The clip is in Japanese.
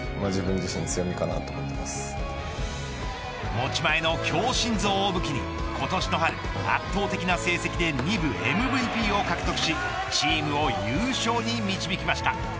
持ち前の強心臓を武器に今年の春、圧倒的な成績で２部ＭＶＰを獲得しチームを優勝に導きました。